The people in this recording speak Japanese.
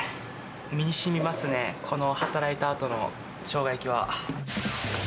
身にしみますね、この働いたあとのショウガ焼きは。